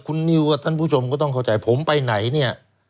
คุณนิวกับท่านผู้ชมก็ต้องเข้าใจผมไปไหนเนี่ย